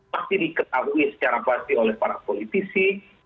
pasti diketahui secara pasti oleh para politisi